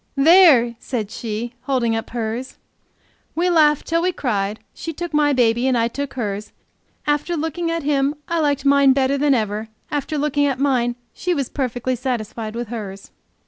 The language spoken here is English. "There!" said she, holding up hers. We laughed till we cried; she took my baby and I took hers; after looking at him I liked mine better than ever; after looking at mine she was perfectly satisfied with hers.